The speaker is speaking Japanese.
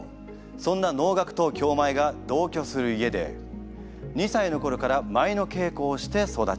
そんな能楽と京舞が同居する家で２歳の頃から舞の稽古をして育ちます。